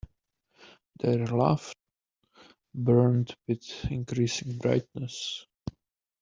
Their love burned with increasing brightness.